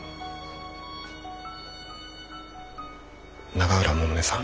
永浦百音さん。